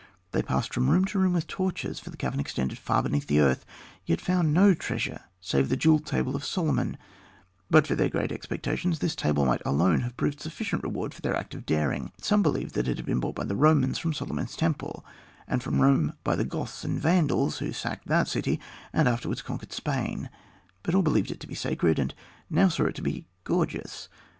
They passed from room to room with torches, for the cavern extended far beneath the earth; yet they found no treasure save the jewelled table of Solomon. But for their great expectations, this table alone might have proved sufficient to reward their act of daring. Some believed that it had been brought by the Romans from Solomon's temple, and from Rome by the Goths and Vandals who sacked that city and afterwards conquered Spain; but all believed it to be sacred, and now saw it to be gorgeous.